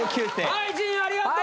はい陣ありがとう！